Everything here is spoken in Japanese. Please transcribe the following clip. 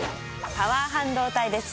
パワー半導体です。